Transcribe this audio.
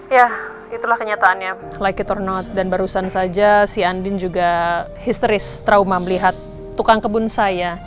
ya itulah kenyataannya like tornout dan barusan saja si andin juga histeris trauma melihat tukang kebun saya